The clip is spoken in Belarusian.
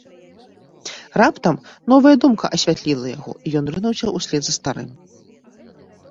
Раптам новая думка асвятліла яго, і ён рынуўся ўслед за старым.